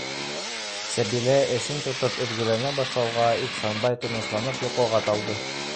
- Сәбилә эсен тотоп өҙгөләнә башлауға, Ихсанбай, тынысланып, йоҡоға талды